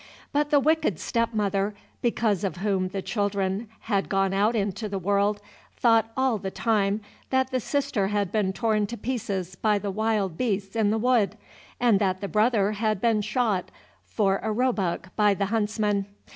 But the wicked step mother, because of whom the children had gone out into the world, thought all the time that the sister had been torn to pieces by the wild beasts in the wood, and that the brother had been shot for a roebuck by the huntsmen.